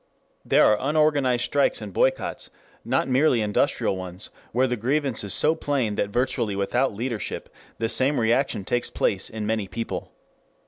There are unorganized strikes and boycotts, not merely industrial ones, where the grievance is so plain that virtually without leadership the same reaction takes place in many people.